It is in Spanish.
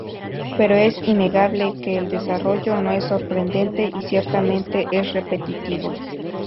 Pero es innegable que el desarrollo no es sorprendente y ciertamente es repetitivo.